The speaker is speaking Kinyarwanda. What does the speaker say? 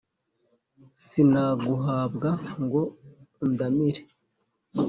sinaguhabwa ngo undamire